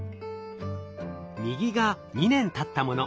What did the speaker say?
右が２年たったもの。